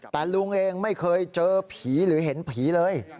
แต่ลุงเองไม่เคยเจอผีหรือเห็นผีเลย